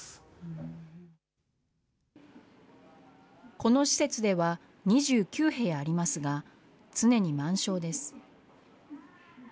この施設では、２９部屋ありますが、常に満床です。